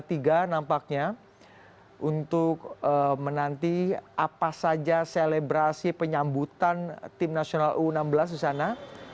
tiga nampaknya untuk menanti apa saja selebrasi penyambutan tim nasional u enam belas di sana